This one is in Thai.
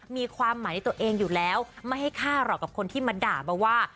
มีความหมายในตัวเองอยู่แล้วไม่ให้ฆ่าหรอกกับคนที่มาด่ามาว่า